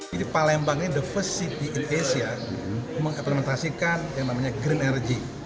jadi palembang ini the first city in asia mengimplementasikan yang namanya green energy